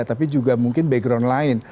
tapi juga mungkin background lain